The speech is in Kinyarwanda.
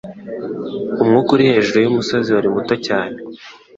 Umwuka uri hejuru yumusozi wari muto cyane.